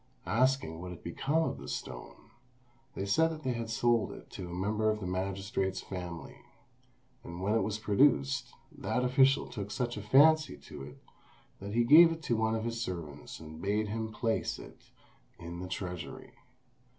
Asking what had become of the stone, they said they had sold it to a member of the magistrate's family; and when it was produced, that official took such a fancy to it that he gave it to one of his servants and bade him place it in the treasury.